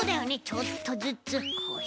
ちょっとずつこうして。